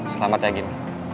selamat ya gin